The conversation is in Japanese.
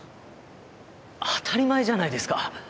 当たり前じゃないですか。